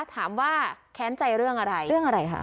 แค้นใจเรื่องอะไรเรื่องอะไรคะ